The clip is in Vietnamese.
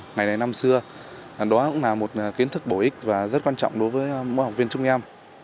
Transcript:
ngày này năm xưa đó cũng là một kiến thức bổ ích và rất quan trọng đối với mỗi học viên chúng em